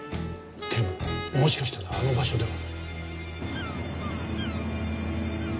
警部もしかしたらあの場所では？